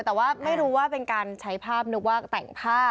แต่ว่าไม่รู้ว่าเป็นการใช้ภาพนึกว่าแต่งผ้า